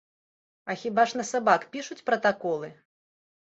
А хіба ж на сабак пішуць пратаколы?